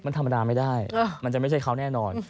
มันธรรมดาไม่ได้มันจะไม่ใช่เขาแน่นอน